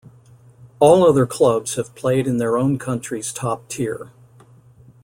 All other clubs have played in their own country's top tier.